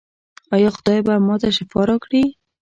ایا خدای به ما ته شفا راکړي؟